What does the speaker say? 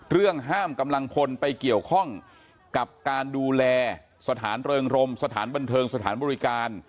ห้ามกำลังพลไปเกี่ยวข้องกับการดูแลสถานเริงรมสถานบันเทิงสถานบริการ